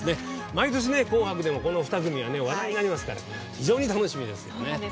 毎年、「紅白」でもこの２組は話題になりますから非常に楽しみですね。